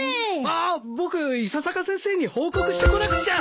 あっ僕伊佐坂先生に報告してこなくちゃ。